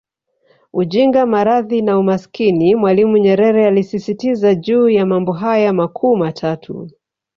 Ujinga maradhi na Umaskini Mwalimu Nyerere alisisitiza juu ya mambo haya makuu matatu